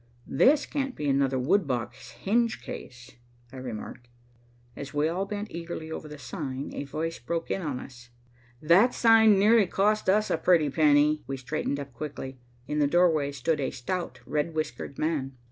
This can't be another wood box hinge case," I remarked. As we all bent eagerly over the sign, a voice broke in on us. "That sign nearly cost us a pretty penny." We straightened up quickly. In the doorway stood a stout, red whiskered man.